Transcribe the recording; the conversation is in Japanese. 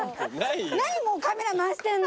何もうカメラ回してんの！